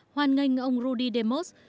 hoan nghênh ông rudy demott